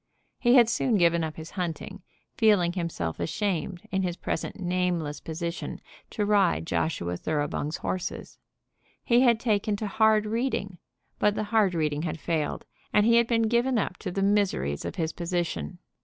He had soon given up his hunting, feeling himself ashamed, in his present nameless position, to ride Joshua Thoroughbung's horses. He had taken to hard reading, but the hard reading had failed, and he had been given up to the miseries of his position.